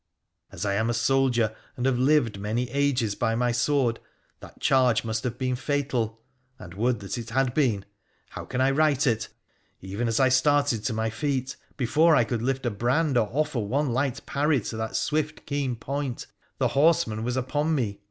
As I am a soldier, and have lived many ages by my sword, that charge must have been fatal. And would that it had been ! How can I write it ? Even as I started to my feet, before I could lift a brand or offer one light parry to that swift keen point, the horseman was upon me.